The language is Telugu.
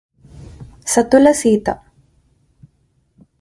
సతుల సీత